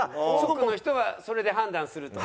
多くの人はそれで判断すると。